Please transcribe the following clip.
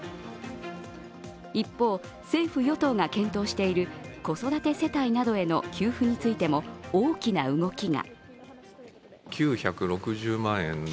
一方、政府・与党が検討している子育て世帯などへの給付についても大きな動きが。